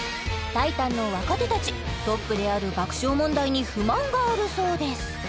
タイタンの若手たちトップである爆笑問題に不満があるそうです